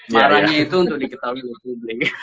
marahnya itu untuk diketahui oleh publik